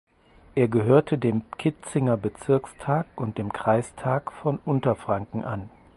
Er gehörte dem Kitzinger Bezirkstag und dem Kreistag von Unterfranken an.